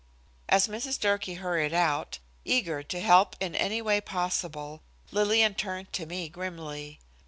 As Mrs. Durkee hurried out, eager to help in any way possible, Lillian turned to me grimly.